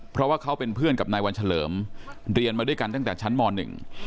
เพราะว่าเขาเป็นเพื่อนกับนายวันเฉลิมเรียนมาด้วยกันตั้งแต่ชั้นมหนึ่ง